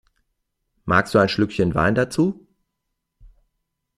Magst du ein Schlückchen Wein dazu?